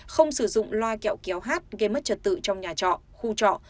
không sử dụng loa kẹo kéo hát gây mất trật tự trong nhà trọ khu trọ